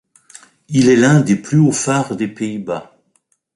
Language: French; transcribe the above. Il est l’un des plus hauts phares des Pays-Bas.